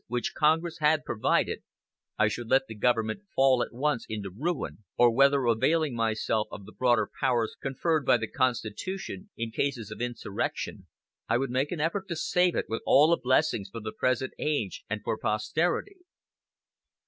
which Congress had provided, I should let the Government fall at once into ruin, or whether availing myself of the broader powers conferred by the Constitution in cases of insurrection, I would make an effort to save it with all its blessings for the present age and for posterity."